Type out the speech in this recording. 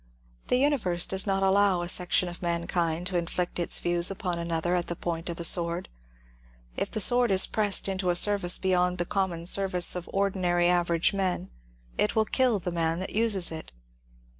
The imiverse does not allow a section of mankind to inflict its views upon another at the point of the sword, — if the sword is pressed into a service beyond the common ser vice of ordinary average men it will kill the man that uses it.